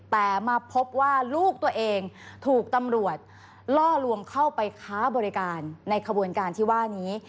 แต่มาพบว่าลูกตัวเองถูกตำรวจล่อลวงเข้าไปค้าบริการในขบวนการที่ว่านี้